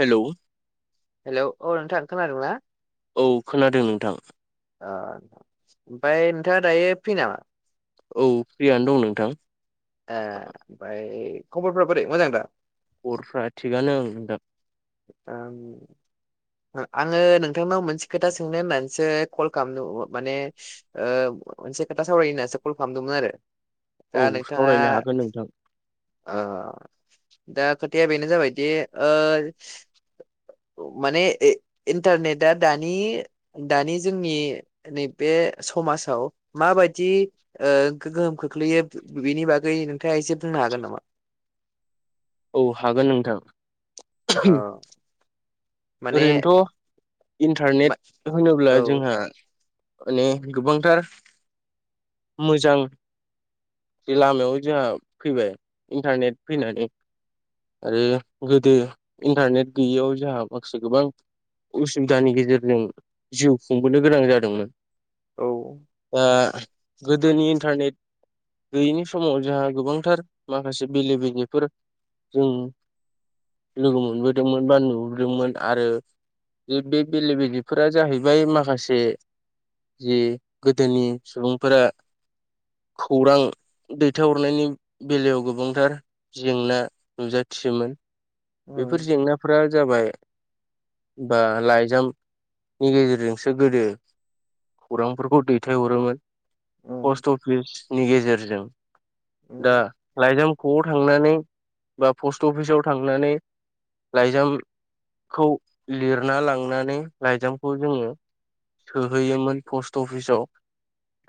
Hello hello औ नोंथां खोनादोंना? औ खोनादों नोंथां [unintelligible] [unintelligible] दायो फै नामा? औ फ्रियानो दं नोंथां। ए फाय खबरफोरा बोरै मोजां दा? ख'रफ्रा थिगानो नोंथां। ओं ओ आङो नोंथांनाव मोनसे खोथा सोंनो होननानसो कल खालामनो माने ओ मोनसे खोथा सावरायहोननासो कल खामदोंमोन आरो। औ दा नोंथाङा सावरायनो हागोन नोंथां ओ दा खोथाया बेनो जाबायदि ओ माने ए इन्टारनेटआ दानि दानि जोंनि नैबे समासआव मा बायदि ओ गोहोम खोख्लैयो बिनि बागै नोंथाङा एसे फोर नो हागोन नामा? औ हागोन नोंथां। ओ माने ओरैनोथ' इन्टारनेट मा- होनोब्ला औ जोंहा माने गोबांथार मोजां बे लामायाव जोंहा फैबाय इन्टारनेट फैनानै आरो गोदो इन्टारनेट गैयैआव जाहा माखासे गोबां उसुबिदानि गेजेरजों जिउ खुंबोनो गोनां जादोंमोन। औ दा गोदोनि इन्टारनेट गैयिनि समाव जाहा गोबांथार माखासे बेले बेजेफोर जों लोगो मोनबोदोंमोन बा नुबोदोंमोन आरो बे-बे-बेले बेजेफोरा जाहैबाय माखासे जि गोदोनि सुबुंफोरा खौरां दैथायहरनायनि बेलायाव गोबांथार जेंना नुजाथियोमोन बेफोर उम जेंनाफोरा जाबाय बा लाइजामनि गेजेरजोंसो गोदो खौरांफोरखौ दैथायहरोमोन। उम पस्ट अफिसनि गेजेरजों दा उम लाइजाम ख'आव थांनानै बा पस्ट अफिसाव थांनानै लाइजामखौ लिरना लांनानै लाइजामखौ जोङो सोहैयोमोन पस्ट अफिसाव।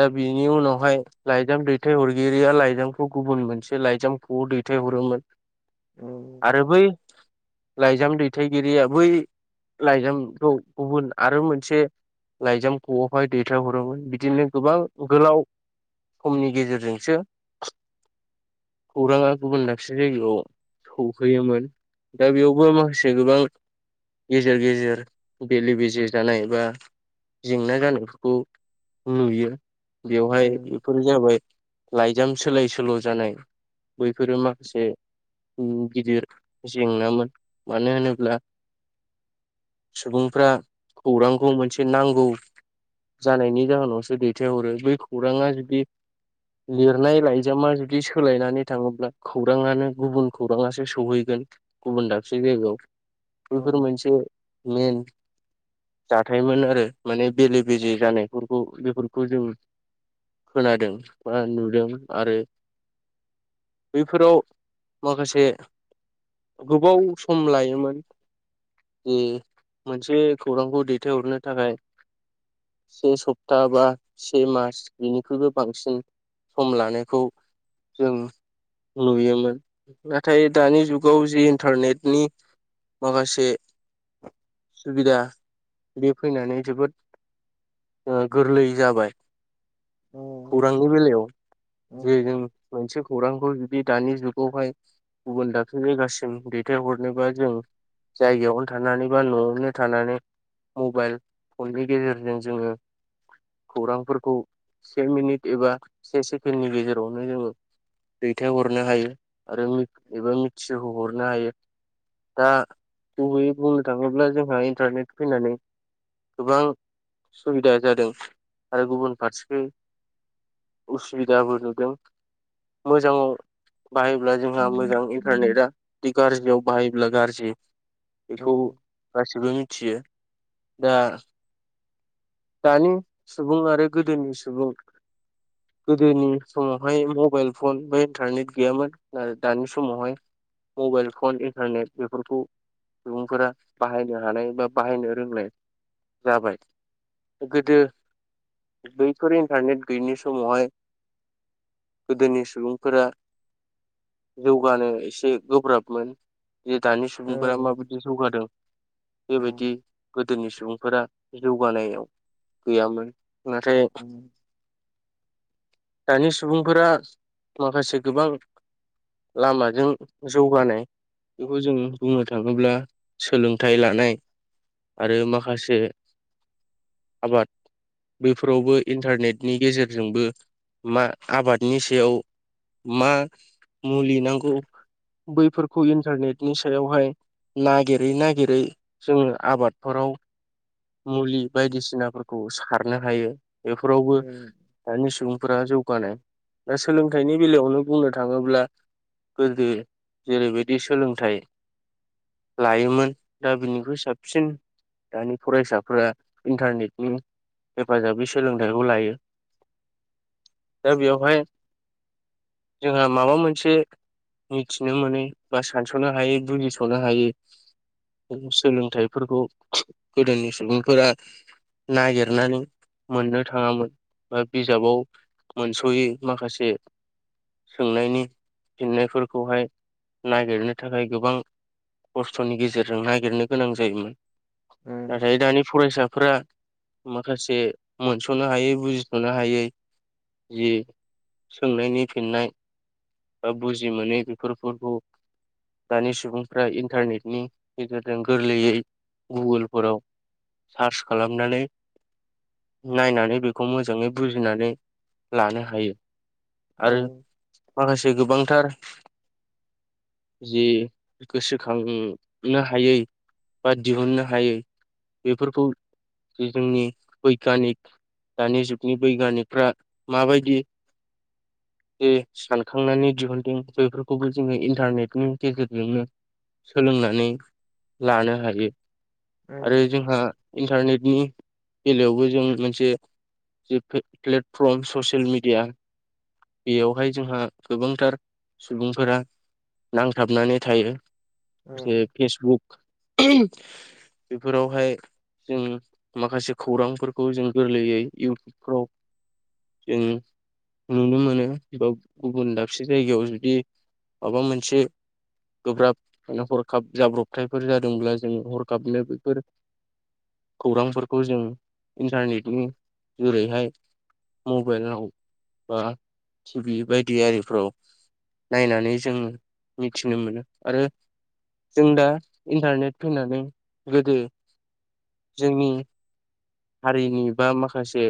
दा बिनि उनावहाय लाइजाम दैथायहरगिरिया लाइजामखौ गुबुन मोनसे लाइजामख'आव दै थायहरोमोन उम आरो बै लाइजाम दैथायगिरिया बै लाइजामखौ गुबुन आरो मोनसे लाइजाम खआवहाय दैथायहरोमोन बिदिनो गोबां गोलाव समनि गेजेरजोंसो खौराङा गुबुन दाब से जायगायाव सफैयोमोन दा बेयावबो माखासे गोबां गेजेर गेजेर बेले बेजे जानाय बा जेंना जानायफोरखौ नुयो बेवहाय उम बेफोरो जाबाय लाइजाम सोलाय सोल जानाय बैफोरो मा खासे गिदिर जेंनामोन मानो होनोब्ला सुबुंफ्रा खौरांखौ मोनसे नांगौ जानायनि जाहोनावसो दैथायहरो बै खौराङा जुदि लिरनाय लाइजामा जुदि सोलायनानै थाङोब्ला खौराङानो गुबुन खौराङासो सौहैगोन गुबुन दाबसे जायगायाव बेफोर उम मोनसे मेन जाथायोन आरो माने बेले बेजे जानायफोरखौ बेफोरखौ जों खोनादों बा नुदों आरो बैफोराव माखासे गोबाव सम लायोमोन जे मोनसे खौरांखौ दैथायहरनो थाखाय से सप्ता बा से मास बिनिख्रुइबो बांसिन सम लानायखौ जों नुयोमोन नाथाय दानि जुगाव जि इन्टारनेटनि माखासे सुबिदा बे फैनानै जोबोद गोरलै जाबाय उम खौरांनि बेलायाव जे उम जों खौरांखौ जुदि दानि जुगावहाय गुबुन दाख्लै जायगासिम दैथायहरनोबा जों जायगायावनो थानानै बा नआवनो थानानै मबाइल फननि गेजेरजों जोङो खौरांफोरखौ से मिनिट एबा से सेकेणडनि गेजेरावनो जोङो दैथायहरनो हायो आरो एबा मिथिहोहरनो हायो दा गुबैयै बुंनो थाङोब्ला जोंहा इन्टारनेट फैनानै गोबां सुबिदा जादों आरो गुबुन फारसेथिं उसुबिदाबो नुदों मोजाङाव बाहायोब्ला जोंहा मोजां इन्टारनेटआ गाज्रियाव बाहायोब्ला गाज्रि उम बेखौ गासिबो मिथियो दा दानि सुबुं आरो गोदोनि सुबुं गोदोनि समावहाय मबाइल फन बा इन्टारनेट गैयामोन दानि समावहाय मबाइल फन इन्टारनेट बेफोरखौ सुबुंफोरा बाहायनो हानाय बा बाहायनो रोंनाय जाबाय गोदो बैफोर इन्टारनेट गैयिनि समावहाय गोदोनि सुबुंफोरा जौगानो एसे गोब्राबमोन। जे दानि सुबुंफोरा माबायदि जौगादों बेबायदि गो दोनि सुबुंफोरा जौगानायाव गैयामोन। नाथाय उम दानि सुबुंफोरा माखासे गोबां लामाजों जौगानाय बेखौ जों बुंनो थाङोब्ला सोलोंथाइ लानाय आरो माखासे आबाद बेफोरावबो इन्टारनेटनि गेजेरजोंबो मा आबादनि सायाव मा मुलि नांगौ बैफोरखौ इन्टारनेटनि सायावहाय नागिरै-नागिरै जोङो आबादफोराव [inaudible] मुलि बायदिसिनाफोरखौ सारनो हायो बेफोरावबो उम दानि सुबुंफोरा जौ गानाय दा सोलोंथाइनि बेलायावनो बुंनो थाङोब्ला। गोदो जेरैबायदि सोलोंथाइ लायोमोन दा बिनिख्रुइ साबसिन दानि फरायसा। फोरा इन्टारनेटनि हेफाजाबै सोलोंथाइखौ लायो। दा बेवहाय जोंहा माबा मोनसे मिथिनो मोनै बा, सानस'नो हायै, बुजिस'नो हायै सोलोंथाइफोरखौ गोदोनि सुबुंफोरा नागिरनानै मोननो थाङामोन बा बिजाबाव मोनस'यै माखासे सोंनायनि फिननायफोरखौहाय नागिरनो थाखाय गोबां खस्थ'नि गेजेरजों नागिरनो गोनां जायोमोन उम नाथाय दानि फरायसाफोरा माखासे मोनस'नो हायै, बुजिथ'नो हायै जि सोंनायनि फिननाय बा बुजि मोनै बेफोरखौ दानि सुबुंफ्रा इन्टारनेटनि गेजेरजों गोरलैयै गुगोलफोराव सार्च खालामनानै नायनानै बेखौ मोजाङै बुजिनानै लानो हायो। आरो उम माखासे गोबांथार जि गोसोखांनो हायै बा दिहुननो हायै बेफोरखौ जोंनि बैग्यानिक दानि जुगनि बैग्यानिकफ्रा माबायदि [unintelligible] जे सानखांनानै दिहुनदों बेफोरखौबो जोङो इन्टारनेटनि गेजेरजोंनो सोलोंनानै लानो हायो। औ। [unintelligible] इन्टारनेटनि बेलायावबो जों मोनसे जे पे-प्लेटफर्म ससियेल मिडिया बेयावहाय जोंहा गोबांथार सुबुंफोरा नांथाबनानै थायो। जे फेसबुक बेफोराव बेहाय जों माखासे खौरांफोरखौ जों गोरलैयै इउटुबफ्राव जों नुनो मोनो बा गुबुन दाबसे जायगायाव जुदि माबा मोनसे गोब्राब हरखाब जाब्रबथायफोर जादोंब्ला जोङो हरखाबनो बेफोर खौरांफोरखौ जों इन्टारनेटनि जुरैहाय मबाइलाव बा टिभि बायदि आरिफ्राव नायनानै जोङो मिथिनो मोनो आरो जों दा इन्टारनेट फैनानै गोदो जोंनि हारिनि बा माखासे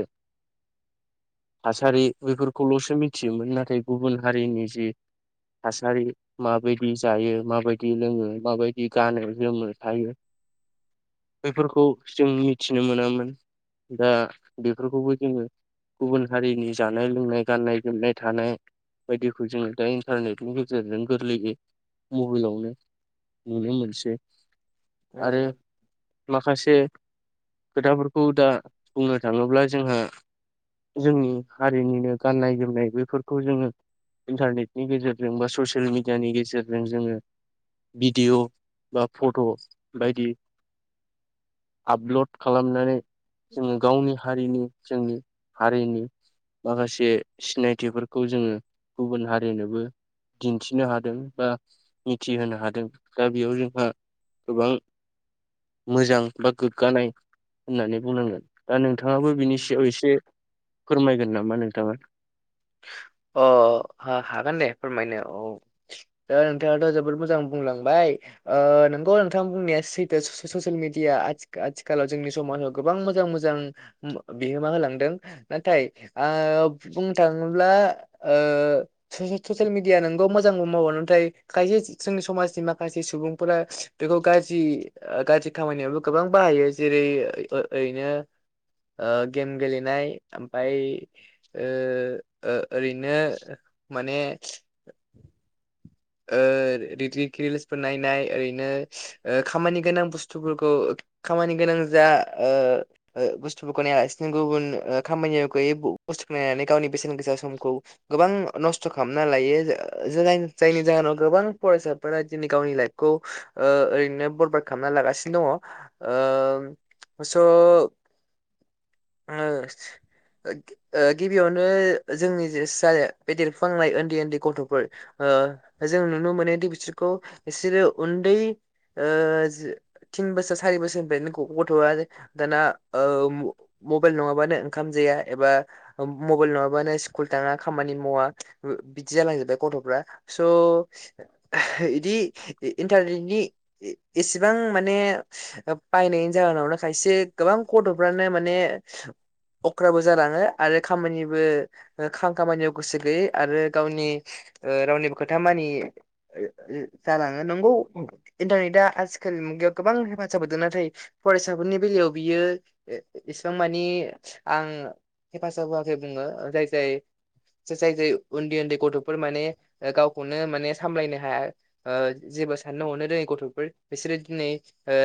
थासारि बेफोरखौल'सो मिथियोमोन नाथाय गुबुन हारिनि जि थासारि माबायदि जायो माबायदि लोङो माबायदि गानो जोमो थायो [unintelligible] बेफोरखौ जों मिथिनो मोनामोन दा बेफोरखौबो जोङो गुबुन हारिनि जानाय लोंनाय गाननाय जोमनाय थानाय बायदिखौ जोङो दा इन्टारनेटनि गेजेरजों गोरलैयै मबाइलावनो नुनो मोनसै आरो उम माखासे खोथाफोर खौ दा बुंनो थाङोब्ला जोंहा जोंनि हारिनिनो गाननाय जोमनाय बेफोरखौ जोङो इन्टारनेटनि गेजेरजों बा ससियेल मिडियानि गेजेरजों जोङो भिडिय' बा फट' बायदि आपल'ड खालामनानै जोङो गावनि हारिनि जोंनि हारिनि माखासे सिनायथिफोरखौ जोङो गुबुन हारिनोबो दिन्थिनो हादों बा मिथिहोनो हादों दा बेयाव जोंहा गोबां मोजां बा गोग्गानाय होननानै बुंनांगोन दा नोंथाङाबो बिनि उम। सायाव एसे फोरमायगोन नामा नोंथाङा? अ हा हागोन दे फोरमायनो औ। दा नोंथाङाथ' जोबोद मोजां बुंलांबाय ओ नोंगौ नोंथां बुंनाया सैथो स-स-ससियेल मिदिया आथि आथिखालाव जोंनि समाजाव गोबां मोजां मोजां बिहोमा होलांदों नाथाय ओ बुंनो थाङोब्लाे ओ ससेल मिडिया नोंगौ मोजांबो मावो नाथाय खायसे जोंनि समाजनि माखासे सुबुंफोरा बेखौ गिज्रि ओ गाज्रि खामानियावबो गोबां बाहायो जेरै ओरैनो ओ गेम गेलेनाय ओमफाय ओ ओ ओरैनो माने ओ रि रिल्सफोर नायनाय ओरैनो खामानि गोनां बुस्थुफोरखौ खामानि गोनां जा ओ ओ बुस्थुफोरखौ नायालासिनो गुबुन ओ खामानि गैयि बुस्थुखौ नायनानै गावनि बेसेन गोसा समखौ गोबां नस्थ' खालामना लायो जों जायनि जाहोनाव गोबां फरायसाफोरा दिनै गावनि लाइफखौ ओ ओरैनो बरबाद खालामना लागासिनो दङ। ओं स' [unintelligible] ओ गिबियावनो जोंनि जे बेे देरफुहांनाय उन्दै उन्दै गथ'फोर ओ जों नुनो मोनोदि बिसोरखौ बिसोरो उन्दै ओ थिन बोसोर सारि बोसोरनिफ्राय गथ'आ दाना ओ मबाइल नङाबानो ओंखाम जाया एबा मबाइल नङाबानो स्कुल थाङा खामानि मावा बिदि जालांजोबबाय गथ'फ्रा। स' बिदि इन्टारनेटनि एसेबां माने बायनायनि जाहोनावनो खायसे गोबां गथ'फ्रानो माने अख्राबो जालाङो आरो खामानिबो खां खामानियाव गोसो गैयै आरो गावनि ओ रावनिबो खोथा मानियि जालाङो नंगौ इन्टारनेटआ आथिखालनि मुगायाव गोबां हेफाजाब होदों नाथाय फरायसाफोरनि बेलायाव बियो ए एसिबां मानि आं हेफाजाब होआखै बुङो जाय जाय जाय जाय उन्दै उन्दै गथ'फोर माने गावखौनो माने सामलायनो हाया ओ जेबो साननो हनो रोङै गथ'फोर बिसोरो दिनै ओ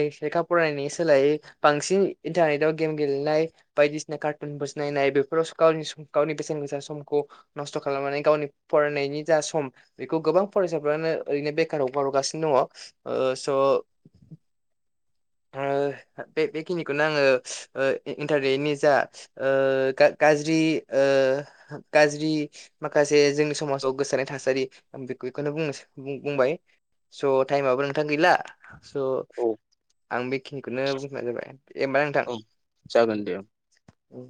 लेखा फरायनायनि सोलायै बांसिन इन्टारनेटाव गेम गेलेनाय बायदि सिना कार्टुनफोर नायनाय बेफोराव गावनि गावनि बेसेन गोसा समखौ नस्थ' खालामनानै गावनि फरायनायनि जा सम बेखौ गोबां फरायसाफ्रानो ओरैनो बेखार हगार हरगासिनो दङ ओ स' [unintelligible] बे बेखिनिखौनो आङो ओ इन्टारनेटनि जा ओ गा गाज्रि ओ ओ गाज्रि माखासे जोंनि समाजाव गोसारनाय थासारि आं बेखौनो बुंनो बुंबाय स' टाइमाबो नोंथां गैला स' औ आं बेखिनिखौनो बुंनाबाय जाबाय दे होमबाना औ जागोन दे नोंथां।